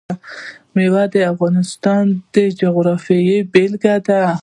مېوې د افغانستان د جغرافیې بېلګه ده.